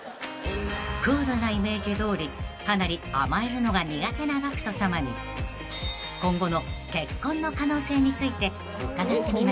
［クールなイメージどおりかなり甘えるのが苦手なＧＡＣＫＴさまに今後の結婚の可能性について伺ってみました］